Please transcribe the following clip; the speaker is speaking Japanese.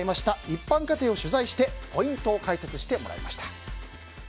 一般家庭を取材してポイントを解説してもらいました。